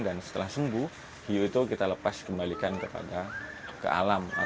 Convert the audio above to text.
dan setelah sembuh hiu itu kita lepas kembalikan kepada kealaan